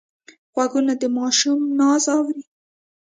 غوږونه د ماشوم ناز اوري